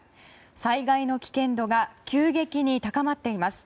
災害の危険度が急激に高まっています。